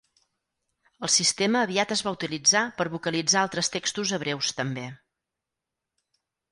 El sistema aviat es va utilitzar per vocalitzar altres textos hebreus també.